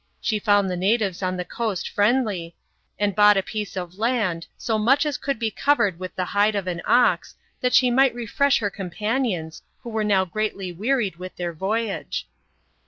She found the natives on the coast friendly, and bought a piece of land, " so much as could be covered with the hide of an ox, that she might refresh her companions, who were now greatly wearied with their voyage."